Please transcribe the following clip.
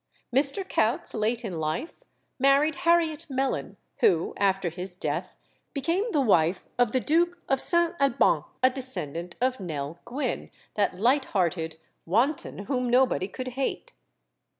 Mr. Coutts, late in life, married Harriet Mellon, who, after his death, became the wife of the Duke of St. Albans, a descendant of Nell Gwynn, that light hearted wanton, whom nobody could hate.